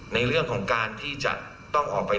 ในเรื่องของการที่จะต้องออกไป